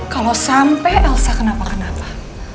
kalo sampe elsa kenapa kenapa